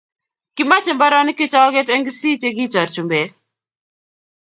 Kimache mbaronik che choket en Kisii che kichor chumbek